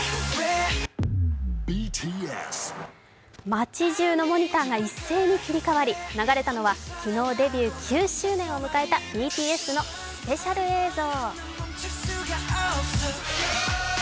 町じゅうのモニターが一斉に切り替わり、流れたのは昨日デビュー９周年を迎えたＢＴＳのスペシャル映像。